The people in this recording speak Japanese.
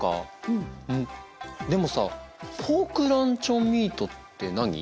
んっでもさポークランチョンミートって何？